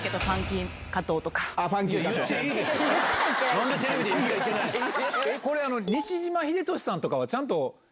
何でテレビで言っちゃいけないんすか？